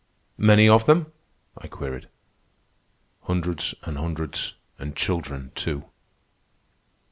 "Many of them?" I queried. "Hundreds an' hundreds, an' children, too."